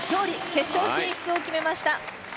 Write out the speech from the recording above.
決勝進出を決めました。